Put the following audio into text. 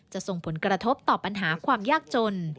ส่งผลกระทบต่อปัญหาความยากจน